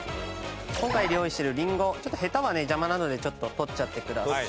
今回用意してるリンゴちょっとヘタはね邪魔なのでちょっと取っちゃってください。